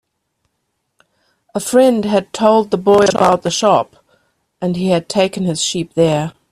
A friend had told the boy about the shop, and he had taken his sheep there.